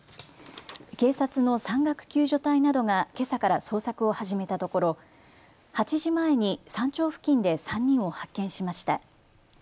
警察の山岳救助隊などがけさから捜索を始めたところ８時前に山頂付近で３人を発見しました。